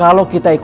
saya tekasi dulu